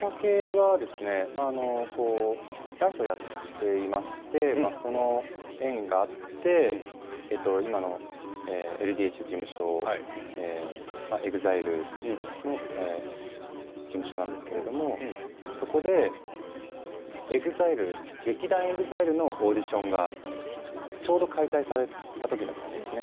ダンスをやっていましてその縁があって今のＬＤＨの事務所ＥＸＩＬＥの事務所なんですけどそこで劇団ＥＸＩＬＥのオーディションがちょうど開催されたときだったんですね。